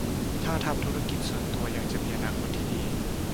ถ้าทำธุรกิจส่วนตัวยังจะมีอนาคตที่ดี